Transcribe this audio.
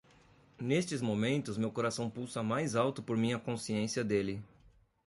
Nestes momentos meu coração pulsa mais alto por minha consciência dele.